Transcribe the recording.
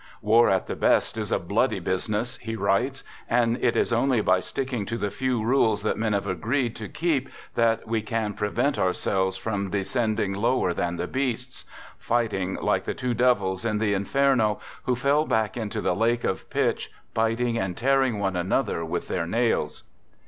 " War at the best is a bloody busi ] ness," he writes, " and it is only by sticking to the i few rules that men have agreed to keep that we can > prevent ourselves from descending lower than the . beasts; fighting like the two devils in the 1 Inferno/ ; who fell back into the lake of pitch biting and tear ' ing one another with their nails."